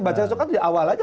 bacain soal kan di awal aja